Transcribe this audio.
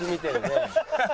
アハハハ！